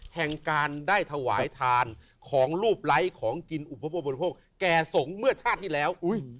แห่งการได้ถวายทานของรูปไร้ของกินอุปโภคแก่สงฆ์เมื่อชาติที่แล้ว